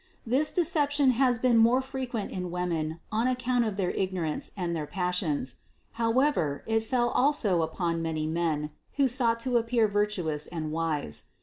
This deception has been more fre quent in women on account of their ignorance and their passions; however, it fell also upon many men, who sought to appear virtuous and wise.